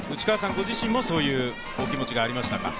ご自身もそういう気持ちはありましたか？